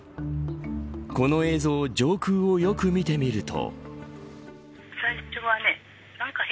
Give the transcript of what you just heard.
この映像上空をよく見てみると。